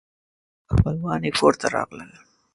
خپلوان یې کور ته راغلل.